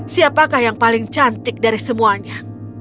siapakah yang paling cantik dari semuanya